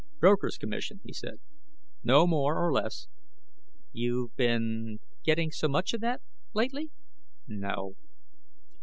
"Broker's commission," he said. "No more or less." "You've been getting so much of that, lately?" "N no."